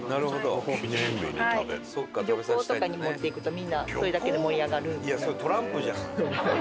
旅行とかに持っていくとみんなそれだけで盛り上がるみたいな。